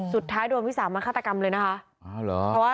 สุดท้ายโดนวิสามันฆาตกรรมเลยนะคะอ้าวเหรอเพราะว่า